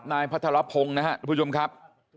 นายพัฒนาพร้อมครับ